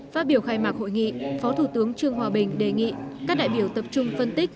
phát biểu khai mạc hội nghị phó thủ tướng trương hòa bình đề nghị các đại biểu tập trung phân tích